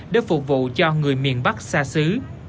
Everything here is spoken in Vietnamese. để phục vụ cho người miền bắc xa xứ